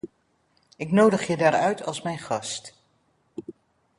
Ik nodig je daar uit als mijn gast.